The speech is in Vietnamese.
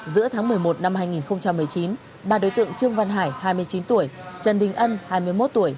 giữa tháng một mươi một năm hai nghìn một mươi chín ba đối tượng trương văn hải hai mươi chín tuổi trần đình ân hai mươi một tuổi